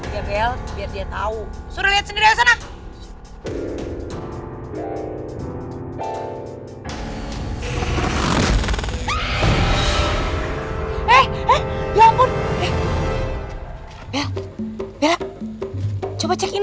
ya bel biar dia tau suruh lihat sendiri aja sana